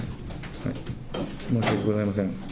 申し訳ございません。